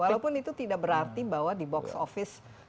walaupun itu tidak berarti bahwa di box office